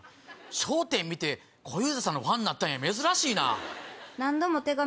『笑点』見て小遊三さんのファンになったんや珍しいな。